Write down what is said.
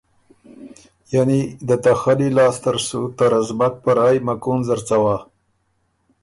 یعنی دته خلی لاسته ر سُو ته رزمک په رایٛ مکُون زر څوا